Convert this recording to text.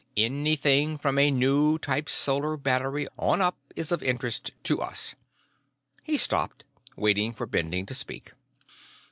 Anything from a new type solar battery on up is of interest to us." He stopped, waiting for Bending to speak.